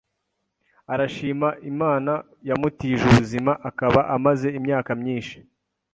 arashima Imana yamutije ubuzima akaba amaze imyaka myinshi